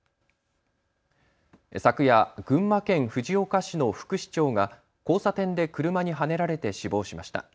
昨夜、群馬県藤岡市の副市長が交差点で車にはねられて死亡しました。